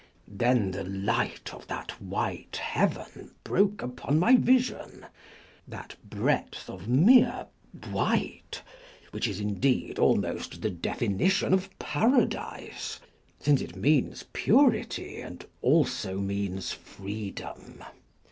Then the light of that white heaven broke upon my vision, that breadth of mere white which On Lying in Bed is indeed almost the definition of Paradise, since it means purity and also means free dom.